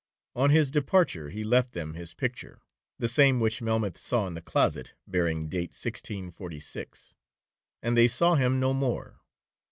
On his departure he left them his picture, (the same which Melmoth saw in the closet, bearing date 1646), and they saw him no more.